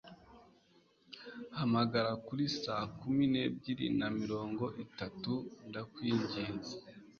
Hamagara kuri saa kumi nebyiri na mirongo itatu ndakwinginze